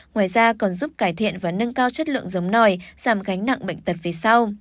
ngoài ra còn giúp cải thiện và nâng cao chất lượng giống nòi giảm gánh nặng bệnh tật về sau